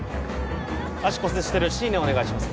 足骨折してるシーネお願いします